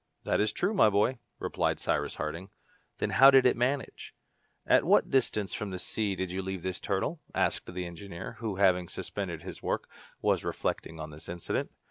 "That is true, my boy," replied Cyrus Harding. "Then how did it manage?" "At what distance from the sea did you leave this turtle?" asked the engineer, who, having suspended his work, was reflecting on this incident.